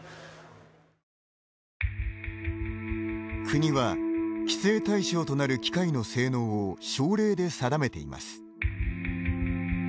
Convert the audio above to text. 国は、規制対象となる機械の性能を省令で定めています。